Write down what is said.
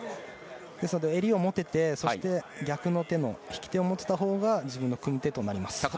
襟を持てて、逆の手の引き手を持てたほうが自分の組み手となります。